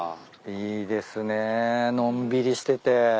いいですねのんびりしてて。